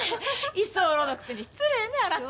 居候のくせに失礼ねぇあなた。